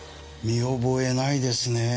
見覚えないですねぇ。